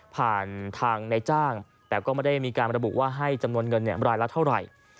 ผ่านทางในจ้างแต่ก็ไม่ได้มีการระบุว่าให้จำนวนเงินรายละเท่าไหร่